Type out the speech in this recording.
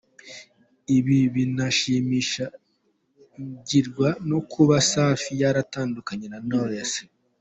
Ibi binashimangirwa no kuba Safi yaratandukanye na Knowless.